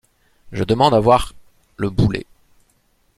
Je demande à voir le boulet!